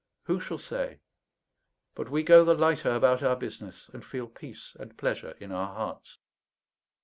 Who shall say? But we go the lighter about our business, and feel peace and pleasure in our hearts.